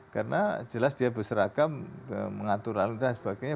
karena jelas dia berseragam mengatur hal dan sebagainya